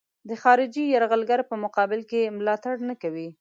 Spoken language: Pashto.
د خارجي یرغلګر په مقابل کې ملاتړ نه کوي.